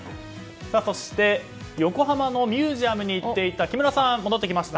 そして、横浜のミュージアムに行っていた木村さん、戻ってきました。